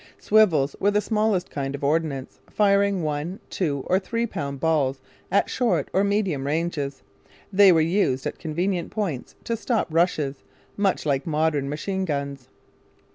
Swivels were the smallest kind of ordnance, firing one , two , or three pound balls at short or medium ranges. They were used at convenient points to stop rushes, much like modern machine guns.